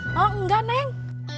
oh enggak neng